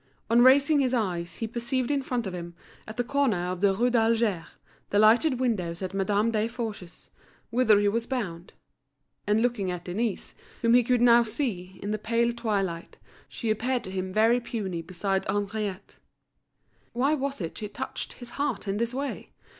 On raising his eyes he perceived in front of him, at the corner of the Rue d'Alger, the lighted windows at Madame Desforges's, whither he was bound. And looking at Denise, whom he could now see, in the pale twilight, she appeared to him very puny beside Henriette. Why was it she touched his heart in this way?